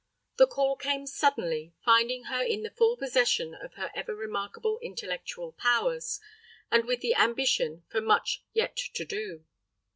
The call came suddenly, finding her in the full possession of her ever remarkable intellectual powers, and with the ambition for much yet to do.